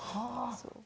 そう。